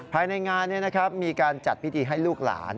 ภายในงานนี่นะครับมีการจัดพิธีให้ลูกหลาน